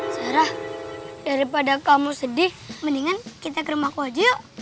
sarah daripada kamu sedih mendingan kita ke rumahku aja yuk